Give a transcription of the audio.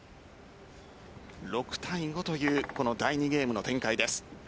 ６対５というこの第２ゲームの展開です。